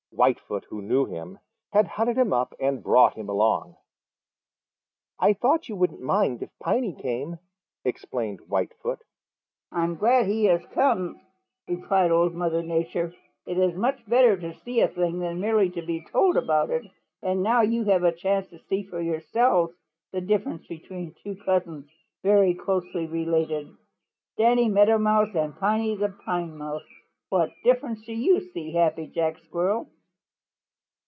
Whitefoot, who knew him, had hunted him up and brought him along. "I thought you wouldn't mind if Piney came," explained Whitefoot. "I'm glad he has come," replied Old Mother Nature. "It is much better to see a thing than merely to be told about it, and now you have a chance to see for yourselves the differences between two cousins very closely related, Danny Meadow Mouse and Piney the Pine Mouse. What difference do you see, Happy Jack Squirrel?"